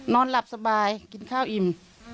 นอนหลับสบายกินข้าวอิ่ม